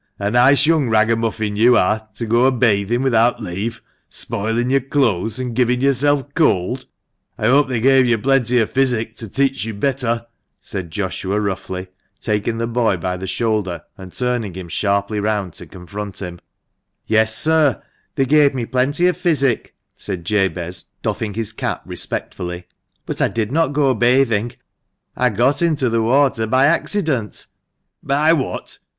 A nice young ragamuffin you are, to go a bathing without leave, spoiling your clothes, and giving yourself cold ! I hope they gave you plenty of physic, to teach you better," said Joshua roughly, taking the boy by the shoulder, and turning him sharply round to confront him, . 124 THE MANCHESTER MAN. "Yes, sir — they gave me plenty of physic," said Jabez, doffing his cap respectfully. "But I did not go bathing; I got into the water by accident." "By what?